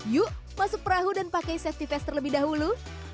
yuk masuk perahu dan pakai safety fest terlebih dahulu